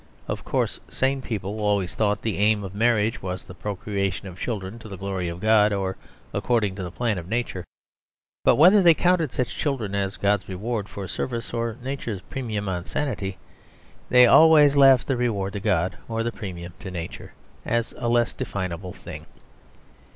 Of course sane people always thought the aim of marriage was the procreation of children to the glory of God or according to the plan of Nature; but whether they counted such children as God's reward for service or Nature's premium on sanity, they always left the reward to God or the premium to Nature, as a less definable thing.